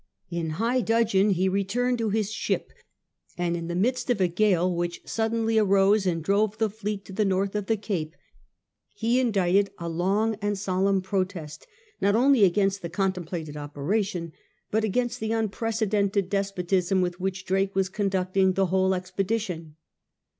In high dudgeon he returned to his ship, and in the midst of a gale which suddenly arose and drove the fleet to the north of the Cape, he indicted a long and solemn protest^ not only against the contemplated operation, but against the unpre cedented despotism with which Drake was conducting the whole expedition.